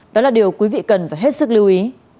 đó là điều quý vị cần phải hết sức lưu ý